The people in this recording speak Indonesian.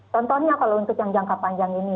contohnya kalau untuk yang jangka panjang ini